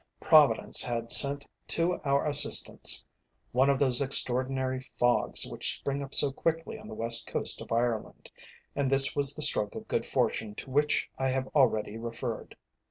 Providence had sent to our assistance one of those extraordinary fogs which spring up so quickly on the west coast of Ireland, and this was the stroke of Good Fortune to which I have already referred.